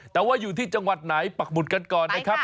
แต่ว่าอยู่ที่จังหวัดไหนปักหมุดกันก่อนนะครับ